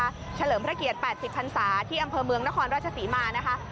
เขียนเฉลิมประเกียรติ๘๐พันธุ์สาที่อำเภอเมืองนครราชสีมาค่ะ